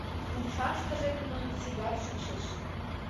Умшаштыже тудын сигар шикшеш.